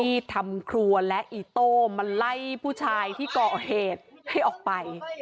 ทำครัวและอีโต้มาไล่ผู้ชายที่ก่อเหตุให้ออกไป